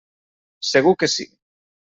Segur que sí.